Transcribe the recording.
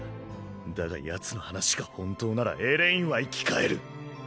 だがヤツの話が本当ならエレインは生き返る。